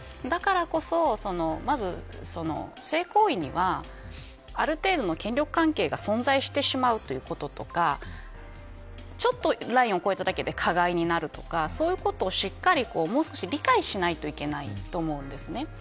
だからこそ、まず性行為にはある程度の権力関係が存在してしまうということとかちょっとラインを越えただけで加害になるとかそういうことを、もう少ししっかりと理解しないといけないと思うんです。